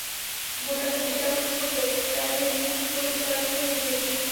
ভোটারদের দৃষ্টি আকর্ষণ করতে প্রার্থীরা নিজ নিজ প্রতীক গাছে টানিয়ে দিয়েছেন।